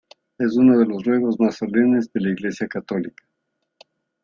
Es uno de los ruegos más solemnes de la Iglesia católica.